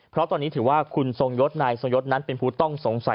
เพราะตอนนี้ถือว่าคุณทรงยศนายทรงยศนั้นเป็นผู้ต้องสงสัย